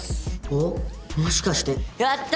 おっもしかしてやった！